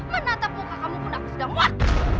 menatap muka kamu pun aku sudah muat